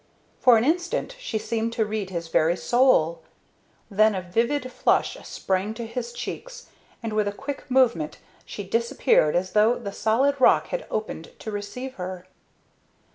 For an instant she seemed to read his very soul. Then a vivid flush sprang to her cheeks, and with a quick movement she disappeared as though the solid rock had opened to receive her.